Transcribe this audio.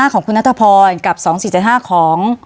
ของคุณนัทพรกับ๒๔๗๕ของ